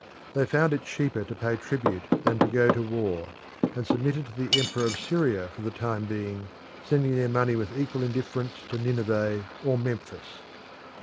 They found it cheaper to pay tribute than to go to war, and submitted to the emperor of Syria for the time being, sending their money with equal indifference to Nineveh or Memphis.